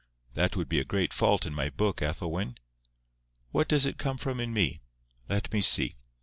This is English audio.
"That would be a great fault in my book, Ethelwyn. What does it come from in me? Let me see.